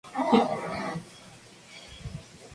En esta estación hay ayuda para personas con discapacidades.